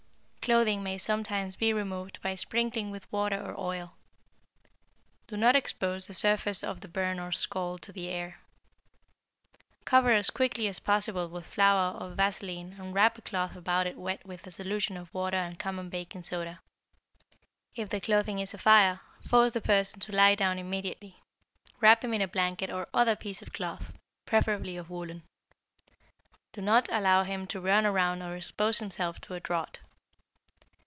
Clothing may sometimes be removed by sprinkling with water or oil. Do not expose the surface of the burn or scald to the air. Cover as quickly as possible with flour or vaseline and wrap a cloth about it wet with a solution of water and common baking soda. If the clothing is afire, force the person to lie down immediately, wrap him in a blanket or other piece of cloth, preferably of woolen. Do not allow him to run around or expose himself to a draught.